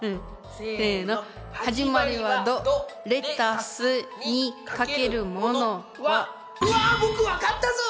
せのうわ僕分かったぞ！